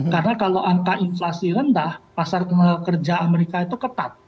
karena kalau angka inflasi rendah pasar kerja amerika itu ketat